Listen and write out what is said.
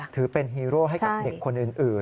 ถือเป็นฮีโร่ให้กับเด็กคนอื่น